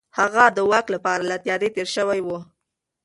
هغه د واک لپاره له تيارۍ تېر شوی و.